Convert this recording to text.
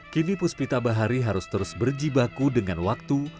kini puspita bahari harus terus berjibaku dengan waktu